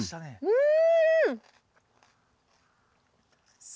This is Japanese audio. うん！